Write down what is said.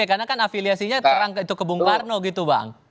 karena kan afiliasinya terang ke bung karno gitu bang